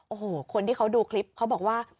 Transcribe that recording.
โอ้โหคนที่เขาดูคลิปเขาบอกว่า